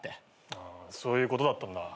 ああそういうことだったんだ。